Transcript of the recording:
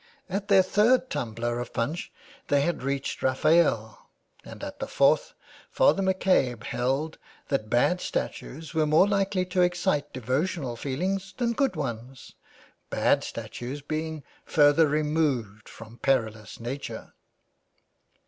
At their third tumbler of punch they had reached Raphael, and at the fourth Father McCabe held that bad statues were more likely to excite devotional feelings than good ones, bad statues being further removed from perilous Nature."